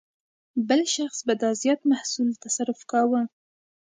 بل شخص به دا زیات محصول تصرف کاوه.